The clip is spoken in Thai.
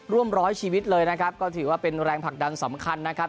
ร่วมร้อยชีวิตเลยนะครับก็ถือว่าเป็นแรงผลักดันสำคัญนะครับ